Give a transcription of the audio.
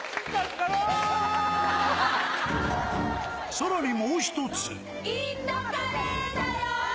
さらにもう１つ。